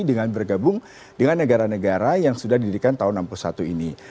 dengan bergabung dengan negara negara yang sudah didirikan tahun seribu sembilan ratus satu ini